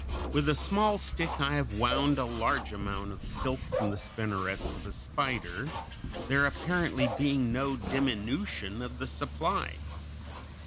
With a small stick I have wound a large amount of silk from the spinnerets of a spider, there apparently being no diminution of the supply.